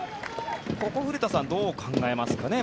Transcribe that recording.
ここは古田さんどう考えますかね